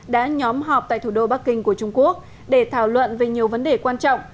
đã nhóm họp tại thủ đô bắc kinh của trung quốc để thảo luận về nhiều vấn đề quan trọng